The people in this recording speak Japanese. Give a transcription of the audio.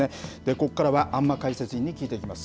ここからは安間解説委員に聞いていきます。